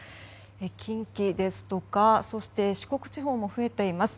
近畿ですとかそして四国地方も増えています。